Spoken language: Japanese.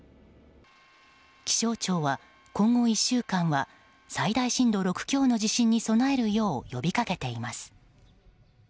気象庁は、今後１週間は最大震度６強の地震に備えるよう呼びかけています。